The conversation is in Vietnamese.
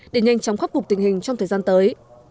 để nhanh chóng khắc phục tình hình trong thời gian tới